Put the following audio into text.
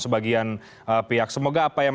sebagian pihak semoga apa yang